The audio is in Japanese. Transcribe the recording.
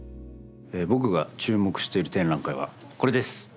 僕が注目している展覧会はこれです！